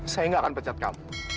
saya nggak akan pecat kamu